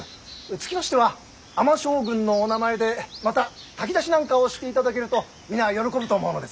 つきましては尼将軍のお名前でまた炊き出しなんかをしていただけると皆喜ぶと思うのですが。